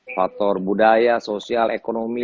faktor budaya sosial ekonomi